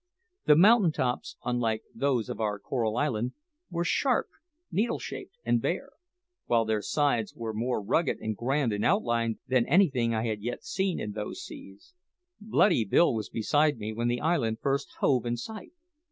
The mountain tops, unlike those of our Coral Island, were sharp, needle shaped, and bare, while their sides were more rugged and grand in outline than anything I had yet seen in those seas. Bloody Bill was beside me when the island first hove in sight.